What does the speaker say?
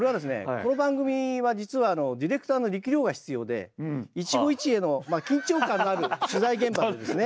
この番組は実はディレクターの力量が必要で一期一会の緊張感のある取材現場でですね。